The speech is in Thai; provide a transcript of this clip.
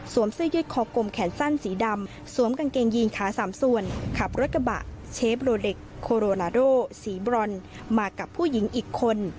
เสื้อยืดคอกลมแขนสั้นสีดำสวมกางเกงยีนขาสามส่วนขับรถกระบะเชฟโรเด็กโคโรนาโดสีบรอนมากับผู้หญิงอีกคน